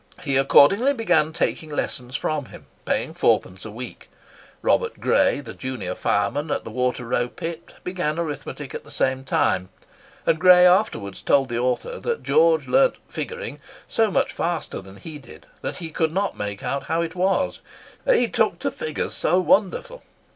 He accordingly began taking lessons from him, paying fourpence a week. Robert Gray, the junior fireman at the Water row Pit, began arithmetic at the same time; and Gray afterwards told the author that George learnt "figuring" so much faster than he did, that he could not make out how it was—"he took to figures so wonderful."